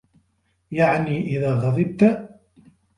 يَعْنِي إذَا غَضِبْتَ